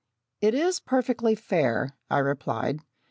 "It is perfectly fair," I replied.